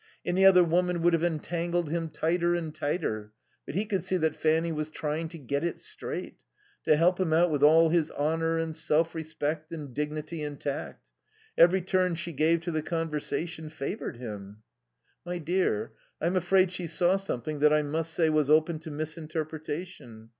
Any other woman would have entangled him tighter and tighter; but he could see that Fanny was trying to get it straight, to help him out with all his honour and self respect and dignity intact. Every turn she gave to the conversation favoured him. "My dear, I'm afraid she saw something that I must say was open to misinterpretation.